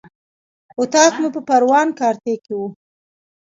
اطاق مو په پروان کارته کې و.